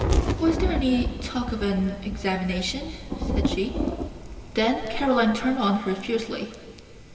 "Was there any talk of an examination?" said she. Then Caroline turned on her fiercely.